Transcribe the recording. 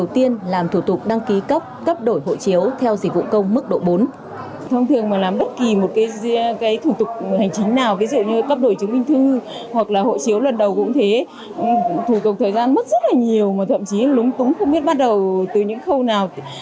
thủ tục thời gian mất rất là nhiều mà thậm chí lúng túng không biết bắt đầu từ những khâu nào